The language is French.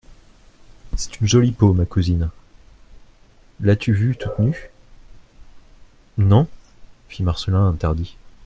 C'est une jolie peau, ma cousine ! L'as-tu vue toute nue ? Non, fit Marcelin interdit.